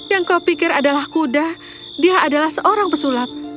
yang kau pikir adalah kuda dia adalah seorang pesulap